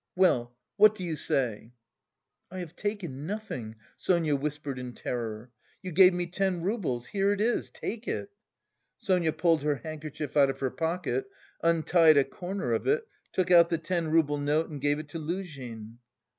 Well, what do you say?" "I have taken nothing," Sonia whispered in terror, "you gave me ten roubles, here it is, take it." Sonia pulled her handkerchief out of her pocket, untied a corner of it, took out the ten rouble note and gave it to Luzhin.